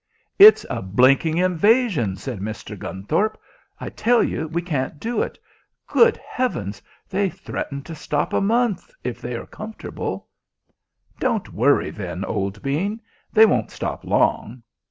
"It's a blinking invasion," said Mr. Gunthorpe. "I tell you we can't do it. Good heavens, they threaten to stop a month if they are comfortable." "Don't worry then, old bean. They won't stop long."